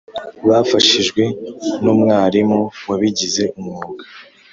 bafashijwe n’umwarimuwabigize umwuga